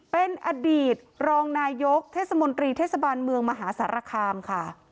เป็นอดีตรองนายกเทศมนตรีเทศบาลเมืองมหาสารคามค่ะ